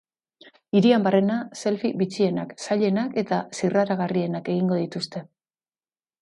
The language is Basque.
Hirian barrena, selfie bitxienak, zailenak eta zirraragarrienak egingo dituzte.